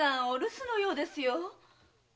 お留守のようですよ。